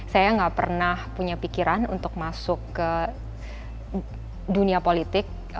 saya nggak pernah punya pikiran untuk masuk ke dunia politik